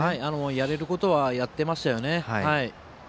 やれることはやっていましたよね。